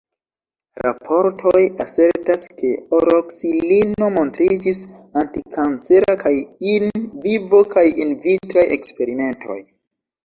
Raportoj asertas ke oroksilino montriĝis antikancera kaj in vivo kaj in vitraj eksperimentoj.